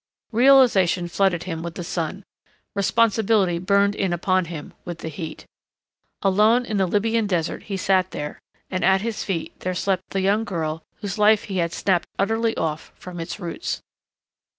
Realization flooded him with the sun. Responsibility burned in upon him with the heat. Alone in the Libyan desert he sat there, and at his feet there slept the young girl whose life he had snapped utterly off from its roots.